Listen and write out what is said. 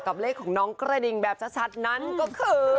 เลขของน้องกระดิ่งแบบชัดนั้นก็คือ